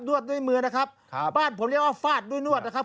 วดด้วยมือนะครับครับบ้านผมเรียกว่าฟาดด้วยนวดนะครับ